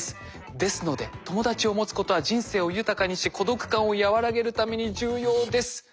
ですので友達を持つことは人生を豊かにし孤独感を和らげるために重要です」。